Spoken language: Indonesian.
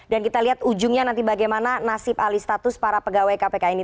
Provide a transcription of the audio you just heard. dan kita lihat ujungnya nanti bagaimana nasib alih status para pegawai kpk ini